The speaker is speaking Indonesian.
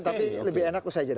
tapi lebih enak usah aja